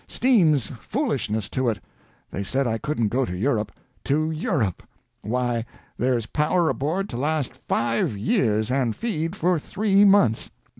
Steam's foolishness to it! They said I couldn't go to Europe. To Europe! Why, there's power aboard to last five years, and feed for three months.